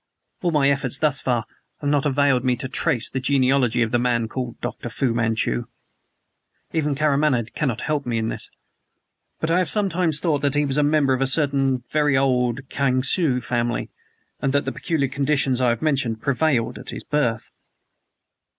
All my efforts thus far have not availed me to trace the genealogy of the man called Dr. Fu Manchu. Even Karamaneh cannot help me in this. But I have sometimes thought that he was a member of a certain very old Kiangsu family and that the peculiar conditions I have mentioned prevailed at his birth!"